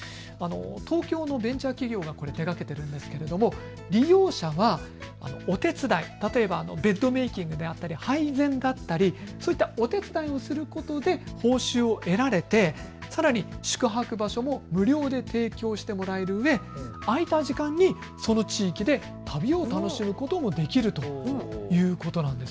東京のベンチャー企業が手がけているんですが利用者はお手伝い、例えばベッドメーキングだったり配膳だったり、そういったお手伝いをすることで報酬を得られてさらに宿泊場所も無料で提供してもらえるうえ空いた時間にその地域で旅を楽しむこともできるということなんです。